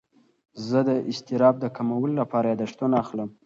زه د اضطراب د کمولو لپاره یاداښتونه اخلم.